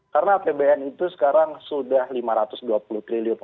karena apbn itu sekarang sudah lima ratus dua puluh triliun untuk subsidi